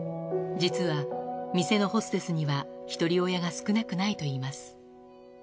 実は店のホステスにはひとり親が少なくないといいます。